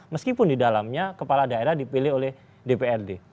meskipun di dalamnya kepala daerah dipilih oleh dprd